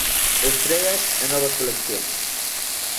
Estreas e novas coleccións.